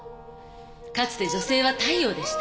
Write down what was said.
かつて女性は太陽でした。